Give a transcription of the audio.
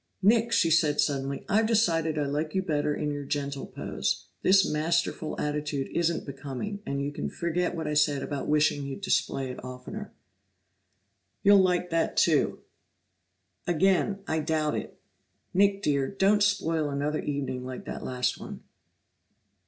"Nick," she said suddenly, "I've decided I like you better in your gentle pose; this masterful attitude isn't becoming, and you can forget what I said about wishing you'd display it oftener." "You'll like that, too." "Again I doubt it. Nick, dear, don't spoil another evening like that last one!"